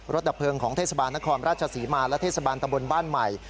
ดับเพลิงของเทศบาลนครราชศรีมาและเทศบาลตำบลบ้านใหม่